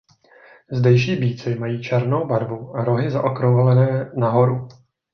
Zdejší býci mají černou barvu a rohy zaokrouhlené nahoru.